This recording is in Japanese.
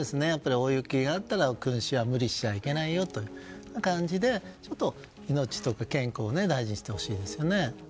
大雪があったら君子無理しちゃいけないよということで命とか健康を大事にしてほしいですね。